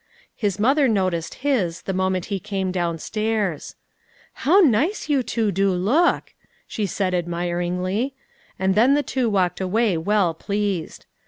His mother noticed his the moment he came down stairs. " How nice yon two do look !" she said admiringly ; and then the two walked away well pleased.